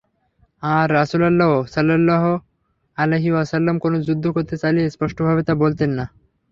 আর রাসূলুল্লাহ সাল্লাল্লাহু আলাইহি ওয়াসাল্লাম কোন যুদ্ধ করতে চাইলে স্পষ্ট ভাবে তা বলতেন না।